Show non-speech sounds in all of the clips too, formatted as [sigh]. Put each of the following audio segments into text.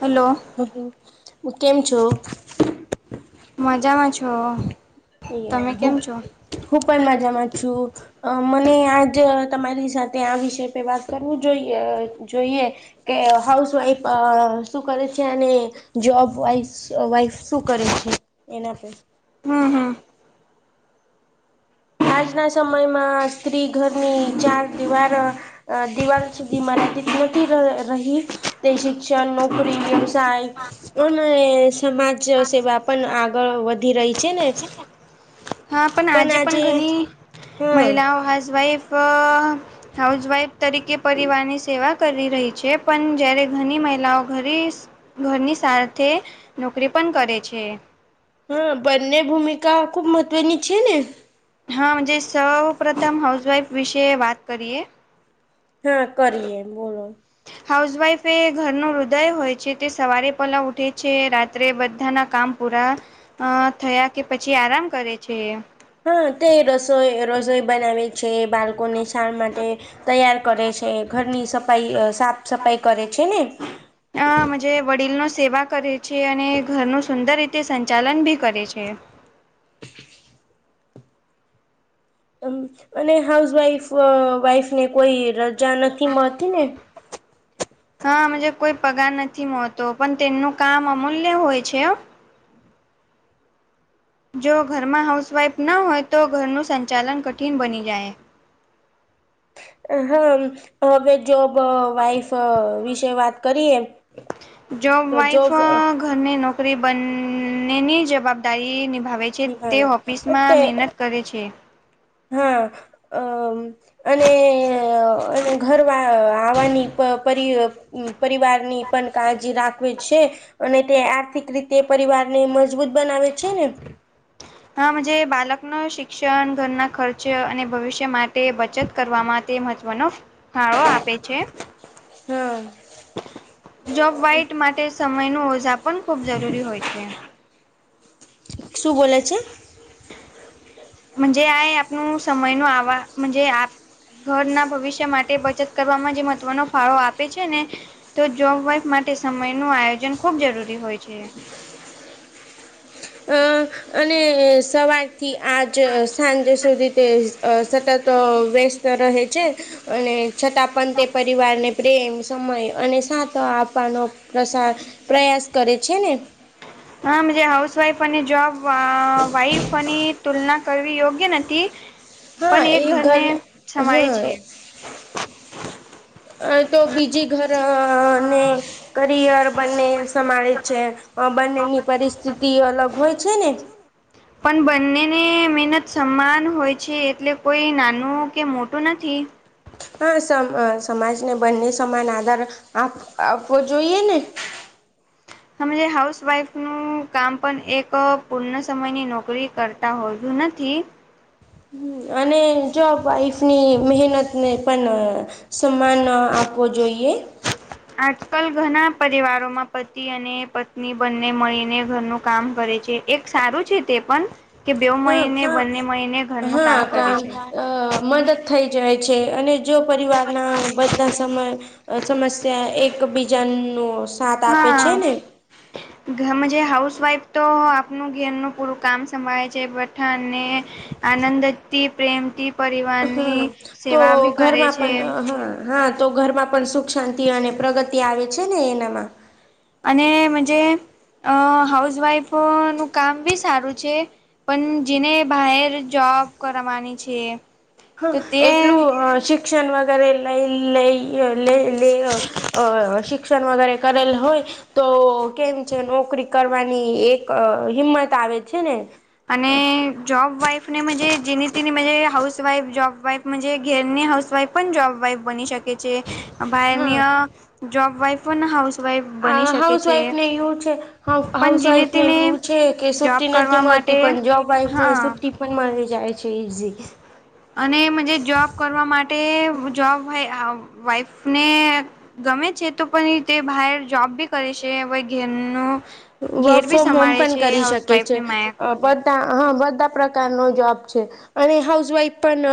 Hello. કેમ છો? મજામાં છો. એમ તમે હું કેમ છો હું પણ મજામાં છું. અ મને આજ તમારી સાથે આ વિષય પે વાત કરવું જોઈએ જોઈએ. કે હાઉસવાઈફ શું કરે છે? અને જોબ વાઇફ વાઈફ શું કરે છે? એના પર હમ હમ. આજના સમયમાં સ્ત્રી ઘરની ચાર દિવાર અ દિવાલ દિમાગથી [unintelligible] રહી તે શિક્ષણ, નોકરી, વ્યવસાય અને સમાજ સેવા પણ આગળ વધી રહી છે ને. હા, પણ આજે પણ ઘણી હા મહિલાઓ હાઉસવાઈફ હાઉસવાઈફ તરીકે પરિવારની સેવા. કરી રહી છે, પણ જ્યારે ઘણી મહિલાઓ ઘણી ઘરની સાથે નોકરી પણ કરે છે. હા, બંને ભૂમિકા ખુબ મહત્વની છે ને. હા, જે સૌ પ્રથમ હાઉસવાઈફ વિશે વાત કરીએ. હા, કરીએ, બોલો. હાઉસવાઈફ એ ઘરનું હૃદય હોય છે, તે સવારે પહેલાં ઉઠે છે, રાત્રે બધાના કામ પૂરા થયા કે, પછી આરામ કરે છે. હા, તે રસોઈ રસોઈ બનાવી. છે, બાળકો ને નિશાન માટે તૈયાર કરે છે, ઘરની સફાઈ સાફ સફાઈ કરે છે ને. અ મન્જે વડીલનો સેવા કરે છે, અને ઘરનું સુંદર રીતે સંચાલન ભી કરે છે. હ. અને હાઉસવાઈફ વાઈફ ને કોઈ રજા નથી મળતી ને. હા, મુજે કોઈ પગાર નથી મળતો, પણ તેમનું કામ અમૂલ્ય હોય છે. જો ઘરમાં હાઉસવાઈફ ના હોય, તો ઘરનું સંચાલન કઠિન બની જાય. હા, હવે જોબ વાઈફ વિશે વાત કરીએ. જોબ, વાઈફ ઘરની નોકરી બંનેની જવાબદારી નિભાવે. જે નિભાવ તે ઓફિસ માં તે મહેનત કરે છે. હા, અ અને અને ઘર વાળ આવાની પ પરિ પરિવારની પણ કાજી રાખ છે, અને તે આર્થિક રીતે પરિવાર ને મજબૂત બનાવે છે ને. હા, મન્જે બાળકનું શિક્ષણ, ઘરના ખર્ચ અને ભવિષ્ય માટે બચત. કરવા માં તે મહત્વનો ફાળો આપે છે. હા જોબ વાઇટ માટે સમય નું ઓઝા પણ ખુબ જરૂરી હોય છે. શું બોલે છે? મન્જે આ આપનું સમય નુ આવા, મન્જે આપ ઘરના ભવિષ્ય માટે, બચત કરવામાં જે મહત્વનો ફાળો આપે છે ને. તો, જોબ વાઈફ માટે સમય નું આયોજન ખુબ જરૂરી હોય છે. અ અને સવારથી આજ સાંજે સુધી તે સતત વ્યસ્ત રહે છે, અને છતાં પણ તે પરિવારને પ્રેમ, સમય અને સાથ આપવાનો પ્રસા પ્રયાસ કરે છે ને. હા, મન્જે હાઉસ વાઈફ અને જોબ વાઈફ. આપની તુલના કરવી યોગ્ય નથી. પણ હા, એ એક ઘર, ઘરને સંભાળે હમ, છે. તો બીજી. ઘરાને. [unintelligible] કરિયર બંને સભાળે છે, બંનેની પરિસ્થિતિ અલગ હોય છે ને. પણ બંનેને મહેનત સમાન હોય છે, એટલે કોઈ નાનું કે મોટું નથી. હા, સમાજને બંને સમાન આધાર આપ આપવો જોઈએ ને. અમે જે હાઉસવાઈફનું કામ પણ એક પૂર્ણ સમયની નોકરી કરતા હોતુ નથી. અને જોબ વાઈફની મહેનત ને પણ. સમાન આપવો જોઈએ. આજકાલ ઘણા પરિવારોમાં પતિ અને પત્ની બંને મળીને ઘરનું કામ કરે છે, એક સારું છે તે પણ કે બે હા મહિને બંને મહિને ઘરનું કામ હા કરે છે. અ મદદ થઈ જાય છે, અને જો પરિવારના બધા સમસ્યા એકબીજા નો સાથ આપે છે ને. ઘર માં જે હાઉસવાઈફ તો આપનું ઘેર નું પૂરું કામ સંભાળે છે બધાને, આનંદથી, પ્રેમથી પરિવાર ની હા તો સેવા ભી કરે ઘરમાં છે. પણ હા હા તો ઘરમાં પણ સુખ, શાંતિ અને પ્રગતિ આવે છે ને એનામાં. અને મજે હાઉસવાઈફનું કામ બી સારું છે. પણ જેને બાહર જોબ કરવાની છે. તો હા તે એટલું શિક્ષણ વગેરે લઈ લઈ લ તે શિક્ષણ વગેરે કરેલ હોય. તો કેમ છે નોકરી કરવાની એક હિંમત આવે છે ને. અને જોબ વાઈફ, અને મજે જેની તેની મજે હાઉસવાઈફ જોબવાઈફ ઘેરની હાઉસવાઈફ પણ જોબવાઈફ બની શકે. શકે છે. બાર હા ની આ જોબવાઈફ પણ હાઉસ આ હાઉસ વાઈફને એવું છે પણ હાઉસ જેને વાઈફ ને તેને એવું છે કે જોબ સુટી કરવા નથી માટે મળતી પણ જોબ વાઇફને હા સુટી પણ મળી જાય છે ઈઝી. અને મજે જોબ કરવા માટે જોબ વાઈફને ગમે છે તો પણ તે બહાર જોબ ભી કરે છે હવે ઘેર નું વર્ક ફ્રોમ હોમ પણ કરી શકે છે. માયા બધ બધા હા બધા પ્રકારનો જોબ છે. અને હાઉસવાઈફ પણ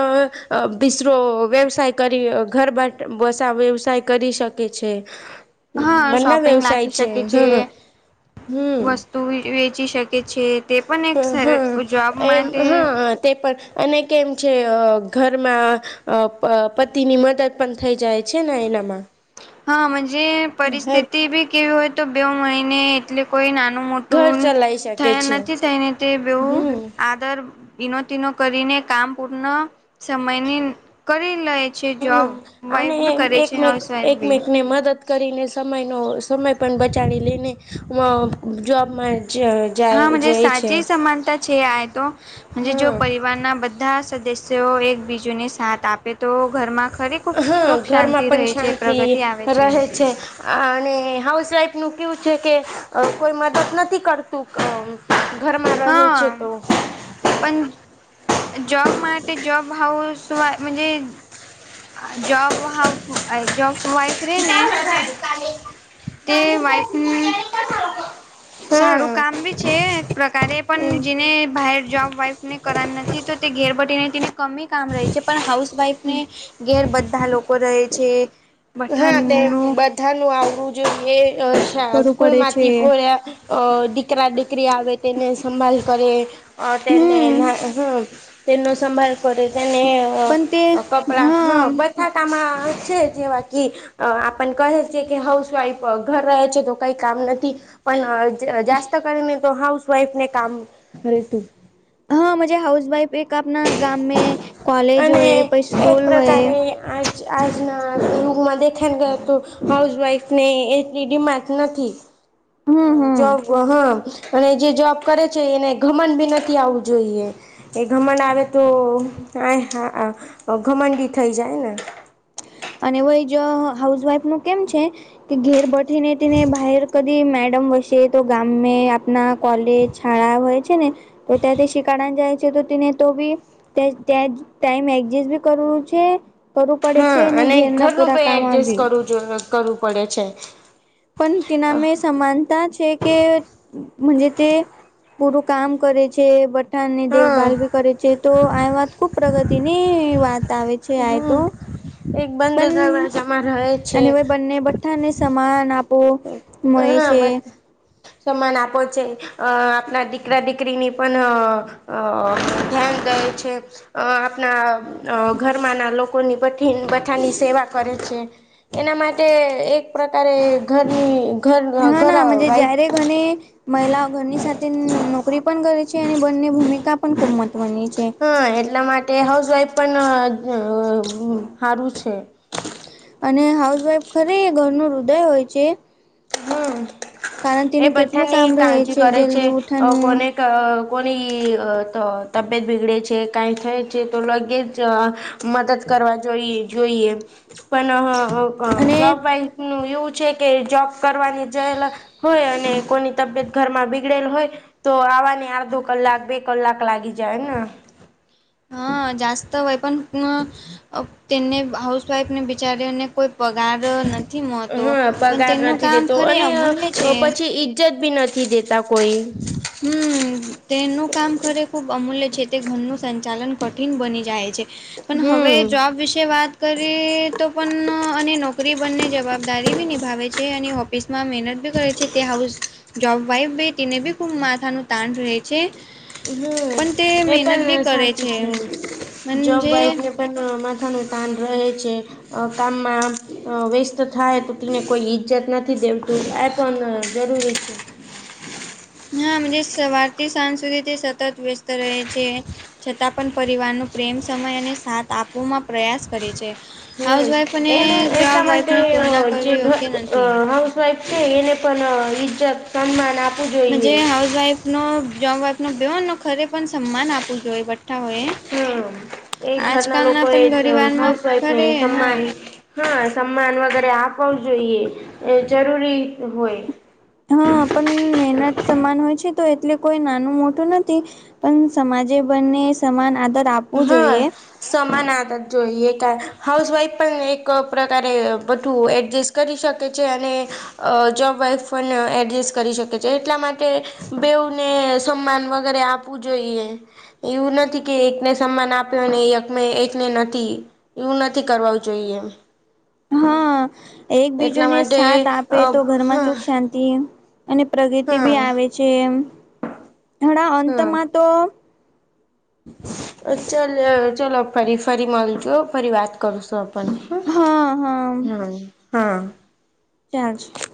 બીસરો વ્યવસાય કરી ઘર બે વસા વ્યવસાય કરી શકે છે હા બંના શોપિંગ વ્યવસાય લાખી છે શકે હ વસ્તુ વેચી શકે છે તે પણ એક હા જોબ એમ માટે હા તે પણ અને કેમ છે ઘરમાં અ પતિની મદદ પણ થઈ જાય છે ને એનામાં. હા મજે હેલ્પ પરિસ્થિતિ બી કેવી હોય તો બે મડીને એટલે કોઈ નાનું ઘર મોટું, મોટું ચલાઈ થય શકે છે નથી થઈ ને તે બેવ હમ આ વિનોતિનો કરીને કામ પૂર્ણ સમયની કરી લઈ. છે જોબ હમ વાઇફ ભી કરે છે હાઉસવાઇફ. એટલે [unintelligible] ને મદદ કરીને સમયનો સમય પણ બચાવી લઈને જોબમાં જ હા મજે સાચી સમાનતા છે આ તો જો હમ પરિવારના બધા સદસ્ય જો એક બીજુને સાથ આ તો ઘરમાં ખરી ખુબ હા સુખ શાંતિ ઘરમાં પણ રહે છે શાંતિ પ્રગતિ આવે છે. અને હાઉસવાઈફનું કેવું છે કે, કોઈ મદદ નથી કરતું ઘરમાં રહે છે હા તો. પણ જોબ માટે જોબ હાઉસ વાઈ મજે અ જોબ હાઉસ જોબ વાઇફ રેય ને કાલે તે વાઇફ નું [inaudible] સારું કામ બી છે એક પ્રકારે પણ હમ જેને બાહર જોબ વાઈફ ને કરન તી તો તે ઘેરબટેટી નને કમિ કામ રહે છે પણ હાઉસવાઈફને ઘેરબધા લોકો રહે છે. બઠનનું બધા નું આવવું જોઈએ અ કરવું સ્કૂલ પડે છે માંથી પોયા અ દીકરા, દીકરી આવે તેને સંભાલ કરે અ તેને હમ હમમ તેનો સંભાળ કરે તેને પણ તે કપડા હા બતા તમા છે જે વાત થી આપણ કહે છે કે હાઉસવાઈફ ઘર રહે છે તો કઈ કામ નથી. પણ જાસ્ત કરીને તો હાઉસ વાઈફ ને કામ હો તું હા મજે હાઉસ વાઇફ એક આપના ગામની એક કોલેજ હોય, અને એક સ્કૂલ હોય પ્રકારે આજ આજના ઘર મદે ખેર વાયતો હાઉસવાાઈફ ને એટલી ડિમાટ નથી હમ હમ જો હા. અને જે જોબ કરે છે એને ઘમંડ બી નથી આવું જોઈએ. એ ઘમંડ આવે તો આ ઘમંડી થઈ જાય ને. અને વય જો હાઉસ વાઈફ નો કેમ છે. કે ઘેર બઠીને તને બહર કદી મેડમ વસે તો ગામ મે આપના કોલેજ છડા હોય છે ને તો ત તે શિકારણ જાય છે તો તેને તો ભી ત્યાં ત્યાં ટાઈમ એડજસ્ટ બી કરવું છે કરવું પડે છે. હા ને અને ઘેરના ઘરનું પૂરા ભાઈ કામમાં એડજસ્ટ બી કરવું જો કરવું પડે છે. પણ તિનામે સમાનતા છે કે જે તે પૂરું કામ કરે છે બટ ની હા દેભાલ ભી કરે છે તો આ વાત ખુબ પ્રગતિની વાત તા આવે છે આ તો હમ એક બંધ પણ [unintelligible] અને ભાઈ બંને બઠાને સમાન આપો. મળે હા છે મત સમાન આપો છે અ આપણા દીકરા દીકરી ની પણ આ અ ધ્યાન દે છે. અ આપણા ઘરમાં ના લોકોની [unintelligible] બઠાની સેવા કરે છે. એના માટે એક પ્રકારે ઘરની ઘર હા ઘર ના [unintelligible] વાઈફ જ્યારે ઘને મહિલાઓ ઘરની સાથે નોકરી પણ કરે છે અને બંની ભૂમિકા પણ ખૂબ મહત્વની છે. હા એટલા માટે હાઉસવાઈફ પણ હા હારુ છે. અને હાઉસવાઈફ ખરે ઘરનું હૃદય હોય છે. હમ કારણ તેને એ કેટલું બધાની કામ રહે કાળજી કરે છે જલ્દી આ ઉઠાનું કોને કા કોની આ ત તબિયત બીગડે છે કઈ થાય છે તો લગે જ મદદ કરવા જોઈએ જોઈએ પણ આ અને જોબ વાઈફ નું એવું છે કે જોબ કરવાની જયેલા હોય અને કોની તબિયત ઘરમાં બીગડેલ હોય તો આવાને અડધો કલાક બે કલાક લાગી જાય ને. હા જાસ્ત હોય પણ [unintelligible] તેને હાઉસવાઈફને બિચારીને કોઈ પગાર નથી મળતો હા પણ પગાર તેમનું નથી કામ દેતો ખરે અને અમૂલ્ય છે. પછી ઈજ્જત ભી નથી દેતા કોઈ. હમ્મ તેનું કામ ખરે ખુબ અમૂલ્ય છે તે ઘરનું સંચાલન કઠિન બની જાય છે. પણ હવે હમ જોબ વિશે વાત કરી તો પણ અને નોકરી બંને જવાબદારી બી નિભાવે છે અને ઓફિસ માં મહેનત બી કરે છે તે હાઉસ જોબવાઈફ ભી તેને બી ખૂબ માથાનું તાંણ રહે છે. હમ્મ પણ તે એ મહેનત બી પણ કરે સાચું છે જબ મનજે વાઈફ ને [unintelligible] માથ નો થાન રહેે છે. આ કામમાં વેસ્ટત થાય તો તેને કોઈ ઈજ્જત નથી દેવતું આ [unintelligible] જરૂરી છે. હા તે સવારથી સાંજ સુધી તે સતત વ્યસ્ત રહે છે. છતાં પણ પરિવારનો પ્રેમ સમય અને સાથ આપોમાં પ્રયાસ કરે છે. હમ્મ હાઉસવાઈફ અને એ ને એમના જોબ માટે વાઈફની જે [unintelligible] આ તુલના કરવી યોગ્ય નથી. હાઉસ હાઉસવાઈફ છે એ ને પણ ઇજ્જત મ જે હાઉસ વાઈફનો જોબવાઈફ નો બહન નો ખરે પણ સન્માન આપવું જોઈએ બઠ્ઠા હો એ. હમ્મ એ ઘરના લોકો એ પણ ઘરીવારમાં હાઉસવાઈફ ને ખરે હા. સમાન હા સમાન વગેરે આપવું જોઈએ એ જરૂરી હોય. હા પણ મહેનત સમાન હોય છે તો એટલે કોઈ નાનું મોટું નથી. પણ સમાજે બંને સમાન આદર આપ હા સમાન [unintelligible] જોઈએ ક હાઉસ વાઈફ પણ એક કા પ્રકારે બધું એડજસ્ટ કરી શકે છે અને અ જોબવાઇફ પણ એડજસ્ટ કરી શકે છે એટલા માટે બેવને સન્માન વગેરે આપવું જોઈએ એવું નથી કે એકને સન્માન આપ્યો ને એકને નથી એવું નથી કરવુ જોઈએ એમ હા એટલા એકબીજોને માટે સાથ આપે અ તો ઘરમાં હા સુખ શાંતિ અને પ્રગતિ હા બી આવે છે હણા હા અંતમાં તો ચલ ચલો ફરી ફરી મળીજો ફરી વાત કરું સો હ હા હા હમ્મ હા ચારજ